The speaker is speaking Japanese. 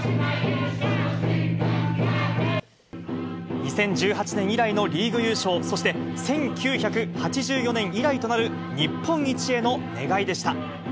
２０１８年以来のリーグ優勝、そして１９８４年以来となる日本一への願いでした。